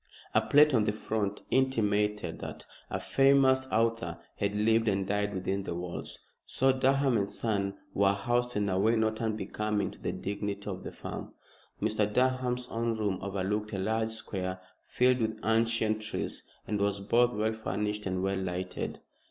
A plate on the front intimated that a famous author had lived and died within the walls; so Durham & Son were housed in a way not unbecoming to the dignity of the firm. Mr. Durham's own room overlooked a large square filled with ancient trees, and was both well furnished and well lighted.